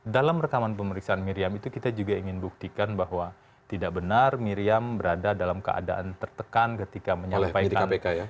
dalam rekaman pemeriksaan miriam itu kita juga ingin buktikan bahwa tidak benar miriam berada dalam keadaan tertekan ketika menyampaikan